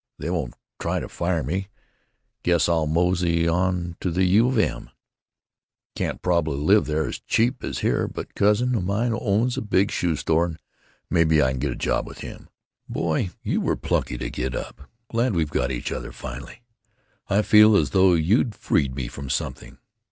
They won't try to fire me. Guess I'll mosey on to the U. of M. Can't probably live there as cheap as here, but a cousin of mine owns a big shoe store and maybe I can get a job with him.... Boy, you were plucky to get up.... Glad we've got each other, finally. I feel as though you'd freed me from something.